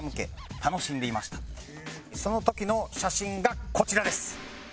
その時の写真がこちらです。